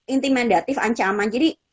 intimidatif ancaman jadi